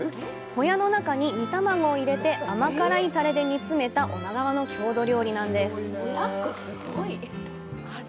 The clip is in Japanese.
ホヤの中に煮玉子を入れて甘辛いタレで煮詰めた女川の郷土料理です。